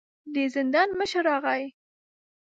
د زندان مشر راغی.